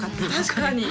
確かに。